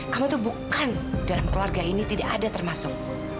kamu tuh bukan dalam keluarga ini tidak ada termasuk